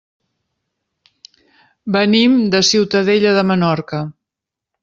Venim de Ciutadella de Menorca.